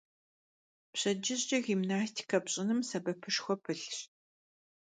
Pşedcıjç'e gimnastike pş'ınım sebepışşxue pılhş.